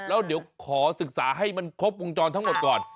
แล้วเดี๋ยวขอศึกษาให้มันครบวงจรทั้งหมดก่อน